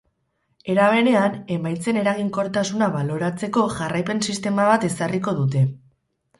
Era berean, emaitzen eraginkortasuna baloratzeko jarraipen sistema bat ezarriko dute.